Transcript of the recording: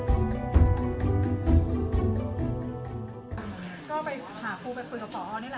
แค่นั้นแต่มุมเขาเลยโต๊ะเวลาครบทีที